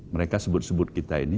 mereka sebut sebut kita ini